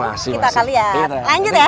masih masih lanjut ya